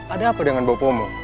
ada apa dengan bopo mu